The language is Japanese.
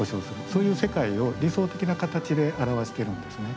そういう世界を理想的な形で表してるんですね。